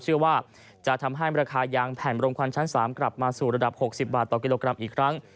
เชื่อว่าจะทำให้ราคายางแผ่นโรงควันชั้น๓กลับมาสู่ระดับ๖๐บาทต่อกิโลกรัมอีกครั้ง